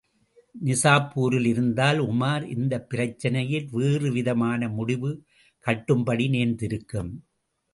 நிசாப்பூரில் இருந்தால் உமார், இந்தப் பிரச்சினையில் வேறுவிதமான முடிவு கட்டும்படி நேர்ந்திருக்கும்.